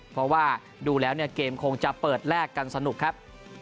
เพราะว่าดูแล้วเนี่ยเกมคงจะเปิดแลกกันสนุกครับ